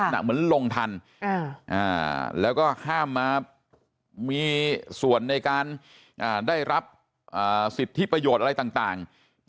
เหมือนลงทันแล้วก็ห้ามมามีส่วนในการได้รับสิทธิประโยชน์อะไรต่าง